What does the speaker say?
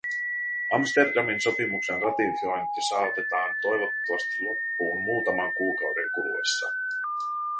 Amsterdamin sopimuksen ratifiointi saatetaan toivottavasti loppuun muutaman kuukauden kuluessa.